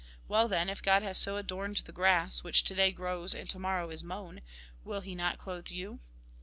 Well then, if God has so adorned the grass, which to day grows and to morrow is mown, will he not clothe you